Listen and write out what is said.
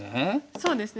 そうですね